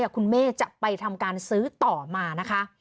คุณแม่จะไปทำการซื้อต่อมานะคะ